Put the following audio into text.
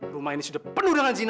rumah ini sudah penuh dengan zina